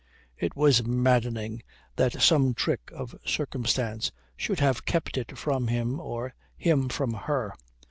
It was maddening that some trick of circumstance should have kept it from him or him from her.